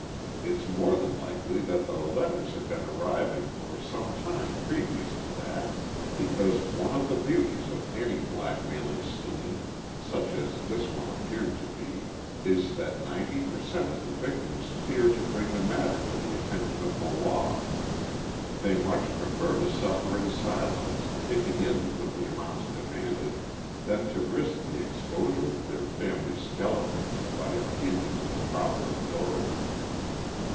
It's more than likely that the letters had been arriving for some time previous to that, because one of the beauties of any blackmailing scheme such as this one appeared to be is that 90 per cent of the victims fear to bring the matter to the attention of the law. They much prefer to suffer in silence, kicking in with the amounts demanded, than to risk the exposure of their family skeletons by appealing to the proper authorities.